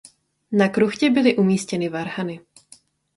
Na kruchtě byly umístěny varhany.